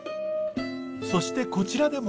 そしてこちらでも。